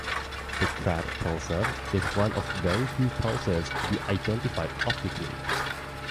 The Crab Pulsar is one of very few pulsars to be identified optically.